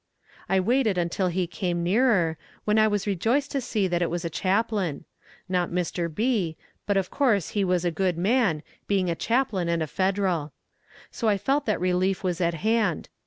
I waited until he came nearer, when I was rejoiced to see that it was a chaplain; not Mr. B., but of course he was a good man, being a chaplain and a Federal. So I felt that relief was at hand.